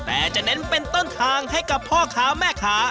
แต่จะเน้นเป็นต้นทางให้กับพ่อค้าแม่ค้า